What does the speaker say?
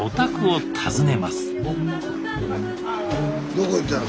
どこ行ったの？